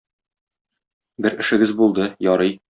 Бер эшегез булды, ярый.